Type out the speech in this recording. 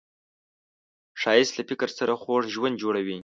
ښایست له فکر سره خوږ ژوند جوړوي